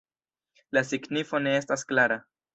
La signifo ne estas klara.